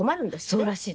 そうらしいの。